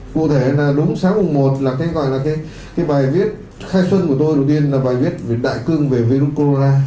cụ thể là đúng sáng hôm một là cái bài viết khai xuân của tôi đầu tiên là bài viết đại cương về virus corona